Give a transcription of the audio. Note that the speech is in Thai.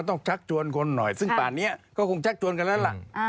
ชักชวนคนหน่อยซึ่งป่านนี้ก็คงชักชวนกันแล้วล่ะ